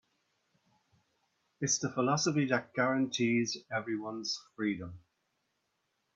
It's the philosophy that guarantees everyone's freedom.